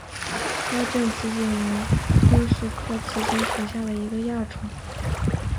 高茎紫堇为罂粟科紫堇属下的一个亚种。